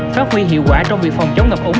phát huy hiệu quả trong việc phòng chống ngập ống